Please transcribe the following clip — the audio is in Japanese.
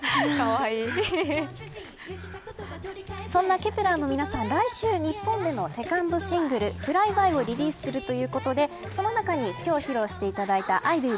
そんなＫｅｐ１ｅｒの皆さん来週日本でのセカンドシングルＦＬＹ−ＢＹをリリースするということでその中に今日披露していただいたＩｄｏ！